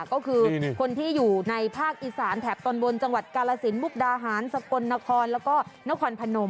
ก็คือคนที่อยู่ในภาคอีสานแถบตอนบนจังหวัดกาลสินมุกดาหารสกลนครแล้วก็นครพนม